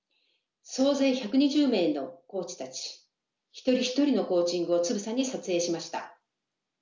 総勢１２０名のコーチたち一人一人のコーチングをつぶさに撮影しました。